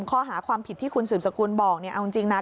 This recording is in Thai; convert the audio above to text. ข้อหาความผิดที่คุณสืบสกุลบอกเนี่ยเอาจริงนะ